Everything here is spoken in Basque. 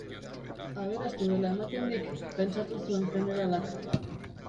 Aberastu dela ematen dik, pentsatu zuen jeneralak.